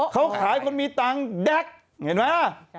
เขาขายคนมีตังค์แด๊กเห็นไหม